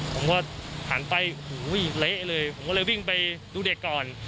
ผมก็หันไปโอ้โหเละเลยผมก็เลยวิ่งไปดูเด็กก่อน